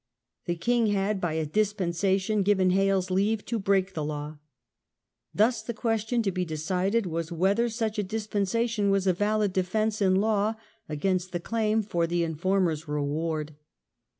The king had, by a dispensation, given Hales leave to break the law. Thus the question to be decided was, whether such a dispensation was a valid defence in law against the claim for the informer's reward.